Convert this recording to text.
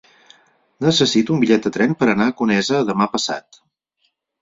Necessito un bitllet de tren per anar a Conesa demà passat.